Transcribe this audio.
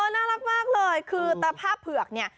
น่ารักมากเลยคือตะภาพเผือกเนี่ย